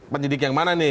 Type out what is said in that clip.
penyidik yang mana nih